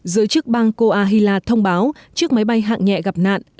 giới chức bang coahuila thông báo chiếc máy bay hàng nhẹ gặp nạn là một chiếc máy bay